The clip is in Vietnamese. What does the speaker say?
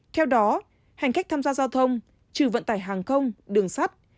theo đó hành khách tham gia giao thông trừ vận tải hàng không đường sắt